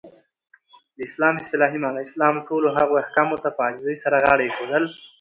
د اسلام اصطلاحی معنا : اسلام ټولو هغه احکامو ته په عاجزی سره غاړه ایښودل.